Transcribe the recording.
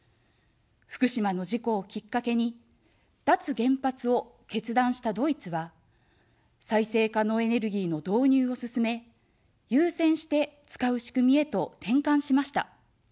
福島の事故をきっかけに、脱原発を決断したドイツは、再生可能エネルギーの導入を進め、優先して使う仕組みへと転換しました。